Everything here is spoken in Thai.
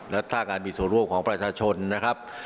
และถ้าการมีส่วนร่วมของประชาชนนะครับ